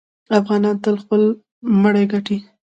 افغانان تل خپل مړی ګټي.